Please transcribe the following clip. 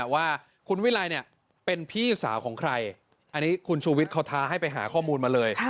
ว่าคุณวิรัยเป็นพี่สาวของใครอันนี้คุณชูวิทย์เขาท้าให้ไปหาข้อมูลมาเลย